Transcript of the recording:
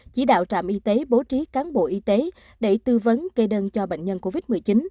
chỉ đạo trạm y tế bố trí cán bộ y tế để tư vấn kê đơn cho bệnh nhân covid một mươi chín